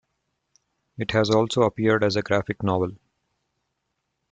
It has also appeared as a graphic novel.